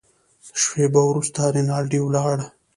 شېبه وروسته رینالډي ولاړ.